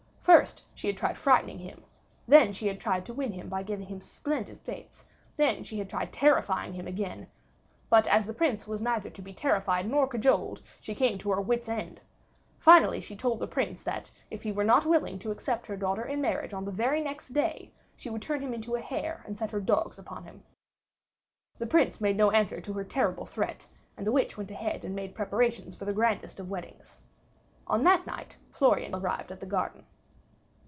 First she had tried frightening him, then she had tried to win him by giving splendid fetes, then she had tried terrifying him again; but as the Prince was neither to be terrified nor cajoled, she came to her wits' end. Finally she told the Prince that, if he were not willing to accept her daughter in marriage on the very next day, she would turn him into a hare and set her dogs upon him. The Prince made no answer to her terrible threat, and the witch went ahead and made preparation for the grandest of weddings. On that night, Florian arrived at the garden.